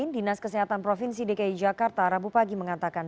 dinas kesehatan provinsi dki jakarta rabu pagi mengatakan